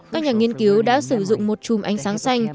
các nhà nghiên cứu đã sử dụng một chùm ánh sáng xanh